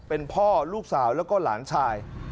เป็นพ่อลูกสาวแล้วก็หลานชาย